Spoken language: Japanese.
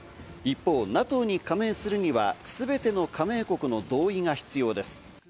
一方、ＮＡＴＯに加盟するにはすべての加盟国の同意が必要です。